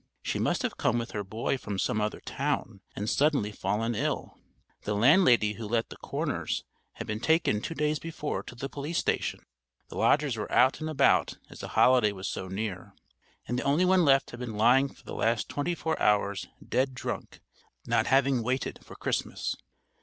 She must have come with her boy from some other town and suddenly fallen ill. The landlady who let the "corners" had been taken two days before to the police station, the lodgers were out and about as the holiday was so near, and the only one left had been lying for the last twenty four hours dead drunk, not having waited for Christmas.